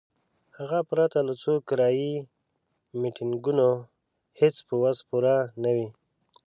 هغه پرته له څو کرایي میټینګونو هیڅ په وس پوره نه وي.